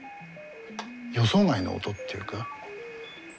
予想外の音っていうか。